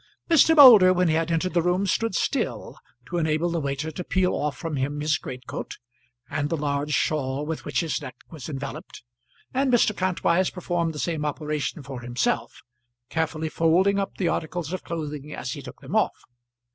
Mr. Moulder when he had entered the room, stood still, to enable the waiter to peel off from him his greatcoat and the large shawl with which his neck was enveloped, and Mr. Kantwise performed the same operation for himself, carefully folding up the articles of clothing as he took them off.